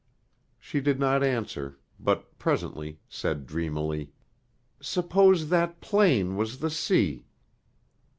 She did not answer, but presently said dreamily, "Suppose that plain was the sea."